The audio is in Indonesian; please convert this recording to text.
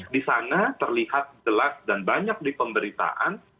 di sana terlihat jelas dan banyak di pemberitaan